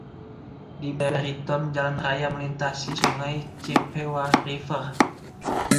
Di Barryton, jalan raya melintasi Sungai Chippewa River.